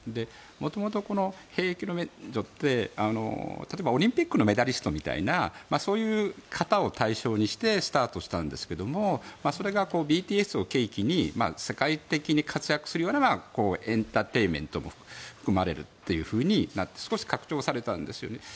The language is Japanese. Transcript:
元々、この兵役の免除って例えば、オリンピックのメダリストみたいなそういう方を対象にしてスタートしたんですけどそれがＢＴＳを契機に世界的に活躍するようなエンターテインメントも含まれるとなって少し拡張されたんですよね。